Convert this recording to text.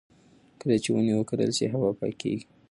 کله چې ونې وکرل شي، هوا پاکېږي.